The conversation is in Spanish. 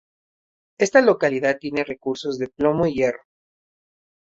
Esta localidad tiene recursos de plomo y hierro.